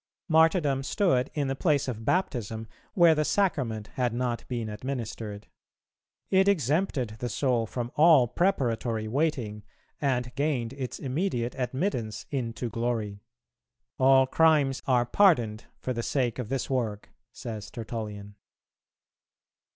Martyrdom stood in the place of Baptism, where the Sacrament had not been administered. It exempted the soul from all preparatory waiting, and gained its immediate admittance into glory. "All crimes are pardoned for the sake of this work," says Tertullian.